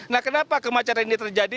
nah kenapa kemacetan ini terjadi